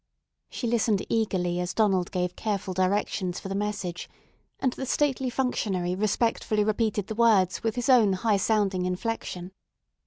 She listened eagerly as Donald gave careful directions for the message, and the stately functionary respectfully repeated the words with his own high sounding inflection.